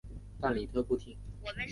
但李特不听。